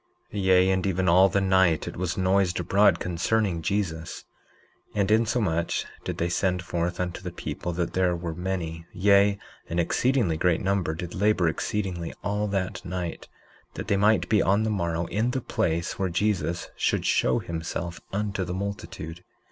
19:3 Yea, and even all the night it was noised abroad concerning Jesus; and insomuch did they send forth unto the people that there were many, yea, an exceedingly great number, did labor exceedingly all that night, that they might be on the morrow in the place where Jesus should show himself unto the multitude.